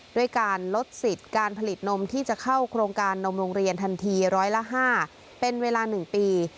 ด้วยการลดสิทธิ์การผลิตนมที่จะเข้าโครงการนมโรงเรียนทันทีร้อยละ๕เป็นเวลา๑ปี